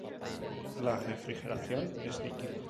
La refrigeración es líquida.